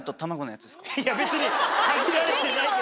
いや別に限られてないけど。